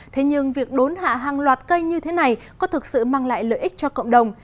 thế nhưng việc đốn hạ hàng loạt cây như thế này có thực sự mang lại lợi ích cho cộng đồng